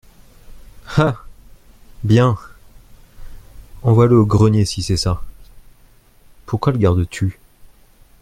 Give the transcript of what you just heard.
Ah ! bien ! envoie-le au grenier, si c’est ça !… pourquoi le gardes-tu ?